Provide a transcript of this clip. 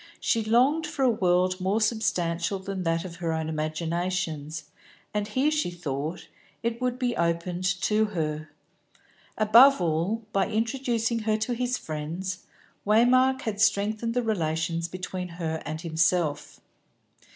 She longed for a world more substantial than that of her own imaginations, and here, as she thought, it would be opened to her. Above all, by introducing her to his friends, Waymark had strengthened the relations between her and himself.